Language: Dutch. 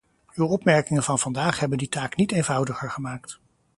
Uw opmerkingen van vandaag hebben die taak niet eenvoudiger gemaakt.